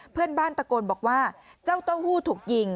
เพื่อนบ้านตะโกนบอกว่าเจ้าเต้าหู้ถูกยิง